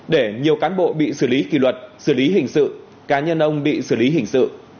để nhiều cán bộ bị xử lý kỳ luật xử lý hình sự cá nhân ông bị xử lý hình sự